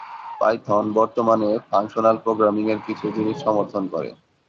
Python বর্তমানে functional programming এর কিছু জিনিস সমর্থন করে।